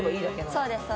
そうです。